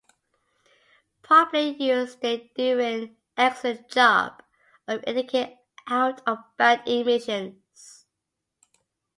Properly used, they do an excellent job of indicating out-of-band emissions.